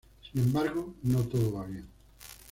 Sin embargo, no todo va bien.